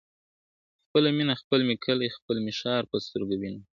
خپله مېنه خپل مي کلی خپل مي ښار په سترګو وینم ,